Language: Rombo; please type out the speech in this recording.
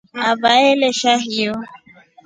Avae alesha hiyo.